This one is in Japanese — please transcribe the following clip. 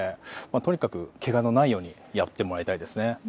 とにかく、けがのないようにやってもらいたいですね。